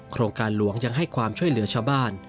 โครงการหลวงยังให้ความช่วยเหลือชาวบ้าน